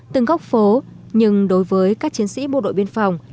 từng góc phố nhưng đối với các chiến sĩ bộ đội biên phòng